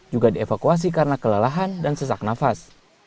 juga dievakuasi karena kelelahan dan sesak nafas